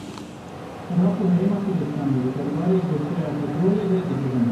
Iraq û Herêma Kurdistanê di derbarê dosyeya petrolê de dicivin.